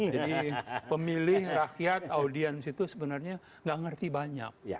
jadi pemilih rakyat audiens itu sebenarnya nggak ngerti banyak